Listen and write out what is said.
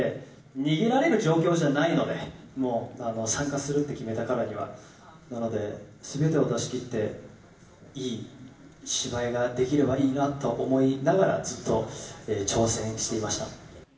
逃げられる状況じゃないので、もう、参加するって決めたからには、なので、すべてを出しきって、いい芝居ができればいいなと思いながら、ずっと挑戦していました。